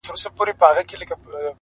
• د لېوه بچی د پلار په څېر لېوه وي ,